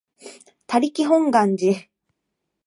他力本願寺